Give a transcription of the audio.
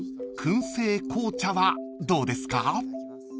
燻製紅茶はどうですか？］